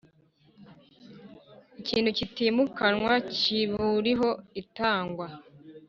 ikintu kitimukanwa kiburiho itangwa